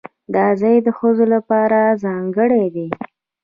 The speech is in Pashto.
دا ځای د ښځو لپاره ځانګړی دی.